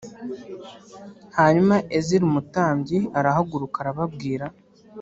Hanyuma ezira umutambyi arahaguruka arababwira